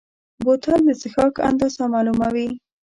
بوتل د څښاک اندازه معلوموي.